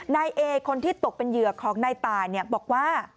นายเอคนที่ตกเป็นเหยื่อของนายตายบอกว่า